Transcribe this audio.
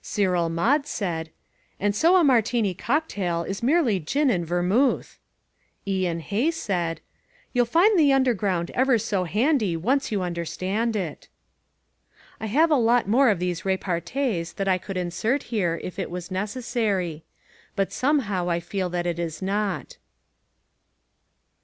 Cyril Maude said, "And so a Martini cocktail is merely gin and vermouth." Ian Hay said, "You'll find the underground ever so handy once you understand it." I have a lot more of these repartees that I could insert here if it was necessary. But somehow I feel that it is not.